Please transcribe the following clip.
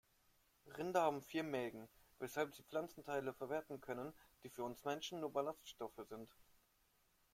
Rinder haben vier Mägen, weshalb sie Pflanzenteile verwerten können, die für uns Menschen nur Ballaststoffe sind.